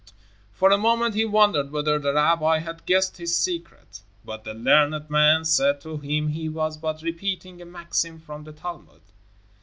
'" For a moment he wondered whether the rabbi had guessed his secret, but the learned man said to him he was but repeating a maxim from the Talmud.